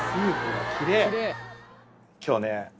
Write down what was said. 今日はね。